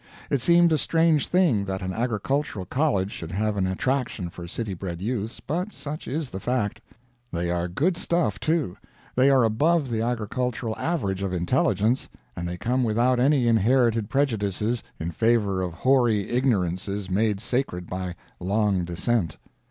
It seemed a strange thing that an agricultural college should have an attraction for city bred youths, but such is the fact. They are good stuff, too; they are above the agricultural average of intelligence, and they come without any inherited prejudices in favor of hoary ignorances made sacred by long descent.